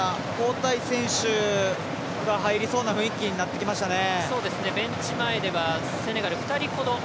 少しセネガルが交代選手が入りそうな雰囲気になってきましたね。